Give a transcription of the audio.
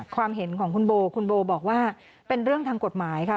ความเห็นของคุณโบคุณโบบอกว่าเป็นเรื่องทางกฎหมายค่ะ